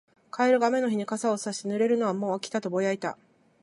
カエルが雨の日に傘をさして、「濡れるのはもう飽きた」とぼやいた。